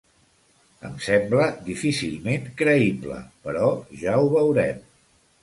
Em sembla difícilment creïble, però ja ho veurem.